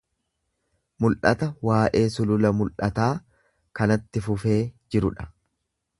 Mul’ata waa’ee Sulula Mul’ataa kanatti fufee jiru dha.